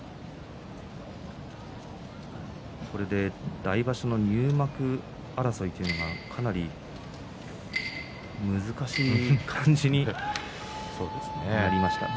これで来場所の入幕を争いはかなり難しい感じになりましたね。